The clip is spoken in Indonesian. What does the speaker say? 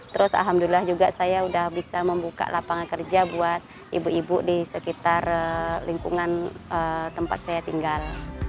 terus alhamdulillah juga saya sudah bisa membuka lapangan kerja buat ibu ibu di sekitar lingkungan tempat saya tinggal